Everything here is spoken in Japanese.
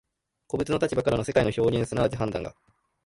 個物の立場からの世界の表現即ち判断が、